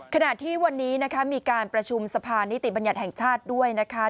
ขณะที่วันนี้นะคะมีการประชุมสะพานนิติบัญญัติแห่งชาติด้วยนะคะ